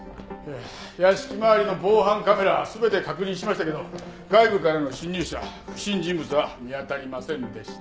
屋敷周りの防犯カメラ全て確認しましたけど外部からの侵入者不審人物は見当たりませんでした。